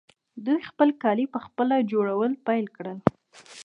دوی خپل کالي پخپله جوړول پیل کړل.